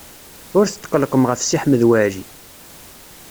Ur tetqellqem ɣef Si Ḥmed Waɛli.